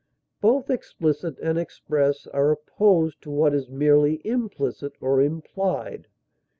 Both explicit and express are opposed to what is merely implicit or implied.